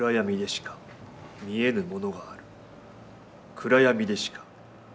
暗闇でしか。